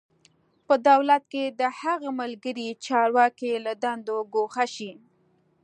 په دولت کې د هغه ملګري چارواکي له دندو ګوښه شي.